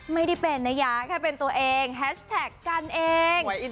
ไม่ได้เป็นนะยะแค่เป็นตัวเองแฮชแท็กกันเอง